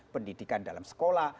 pendidikan dalam sekolah